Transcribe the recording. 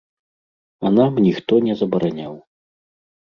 А нам ніхто не забараняў.